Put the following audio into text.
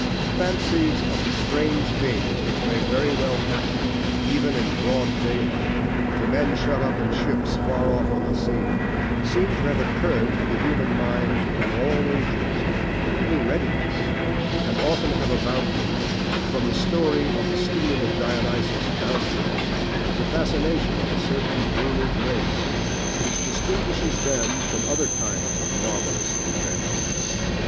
Fancies of the strange things which may very well happen, even in broad daylight, to men shut up alone in ships far off on the sea, seem to have occurred to the human mind in all ages with a peculiar readiness, and often have about them, from the story of the stealing of Dionysus downwards, the fascination of a certain dreamy grace, which distinguishes them from other kinds of marvellous inventions.